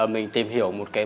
mình tìm hiểu một cái